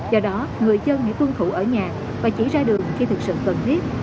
do đó người dân hãy tuân thủ ở nhà và chỉ ra đường khi thực sự cần thiết